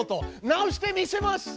直してみせます！